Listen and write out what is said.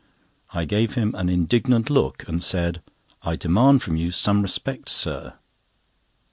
I gave him an indignant look, and said: "I demand from you some respect, sir."